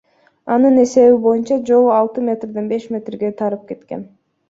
Анын эсеби боюнча, жол алты метрден беш метрге тарып кеткен.